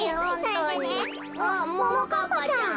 あっももかっぱちゃん。